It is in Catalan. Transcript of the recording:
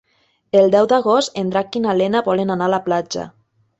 El deu d'agost en Drac i na Lena volen anar a la platja.